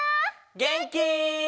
げんき？